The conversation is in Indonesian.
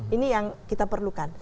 ini yang kita perlukan